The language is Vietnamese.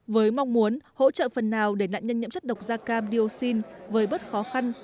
với mong muốn hỗ trợ phần nào để nạn nhân nhiễm chất độc da cam dioxin với bớt khó khăn